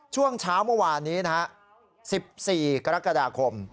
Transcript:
ช่วงเช้าเมื่อวานนี้นะฮะ๑๔กรกฎาคม